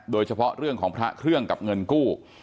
โดยเฉพาะเรื่องของพระเครื่องกับเงินกู้